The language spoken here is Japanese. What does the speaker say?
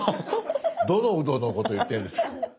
どのウドのこと言ってるんですか。